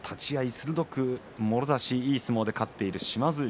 鋭くもろ差しいい相撲で勝っている美ノ海。